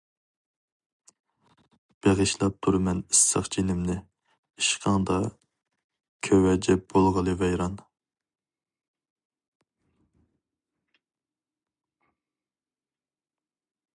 بېغىشلاپ تۇرىمەن ئىسسىق جېنىمنى، ئىشقىڭدا كۆۋەجەپ بولغىلى ۋەيران.